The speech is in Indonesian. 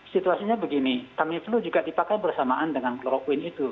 situasinya begini tamiflu juga dipakai bersamaan dengan kloroquine itu